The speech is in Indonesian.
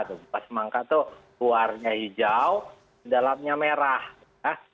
buah semangka itu warnanya hijau dalamnya merah